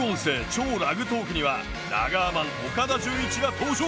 「＃超ラグトーク」ではラガーマン岡田准一が登場。